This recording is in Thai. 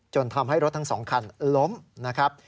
ทำให้รถทั้ง๒คันล้มนะครับ